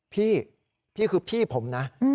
พี่พี่คือพี่ผมนะ